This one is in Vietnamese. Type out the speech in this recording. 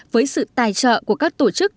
với sự tài trợ của các tổ chức